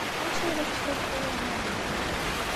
Amek ay la tettḥulfuḍ i yiman-nnek?